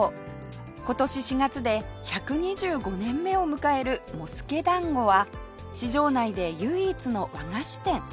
今年４月で１２５年目を迎える茂助だんごは市場内で唯一の和菓子店